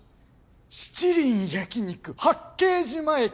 七輪焼肉八景島駅